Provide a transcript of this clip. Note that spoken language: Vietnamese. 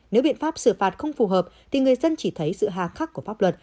nếu biện pháp xử phạt không phù hợp thì người dân chỉ thấy sự hạ khắc của pháp luật